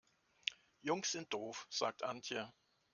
Jungs sind doof, sagt Antje.